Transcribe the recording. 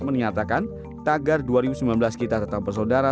menyatakan tagar dua ribu sembilan belas kita tetap bersaudara